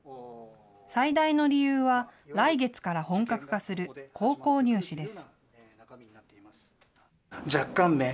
最大の理由は来月から本格化する、高校入試です。